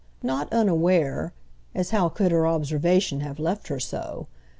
Not unaware—as how could her observation have left her so?